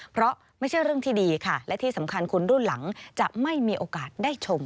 เพราะไม่ใช่เรื่องที่ดีค่ะและที่สำคัญคนรุ่นหลังจะไม่มีโอกาสได้ชม